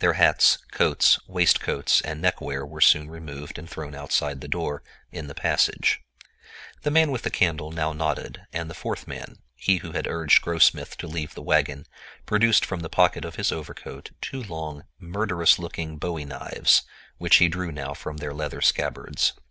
Their hats, coats, waistcoats, and neckwear were soon removed and thrown outside the door, in the passage. The man with the candle now nodded, and the fourth man—he who had urged Grossmith to leave the wagon—produced from the pocket of his overcoat two long, murderous looking bowie knives, which he drew now from their leather scabbards.